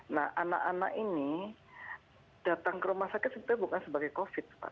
nah anak anak ini datang ke rumah sakit sebenarnya bukan sebagai covid pak